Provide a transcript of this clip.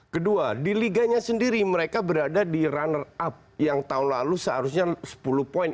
kedua di liganya sendiri mereka berada di runner up yang tahun lalu seharusnya sepuluh poin